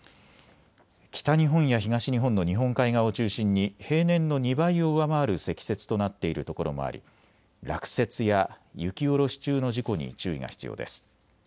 北日本や東日本の日本海側を中心に平年の２倍を上回る積雪となっているところもあり落雪や雪下ろし中の事故に注意が必要です。